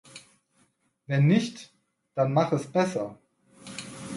Wenn nicht, dann mach es besser.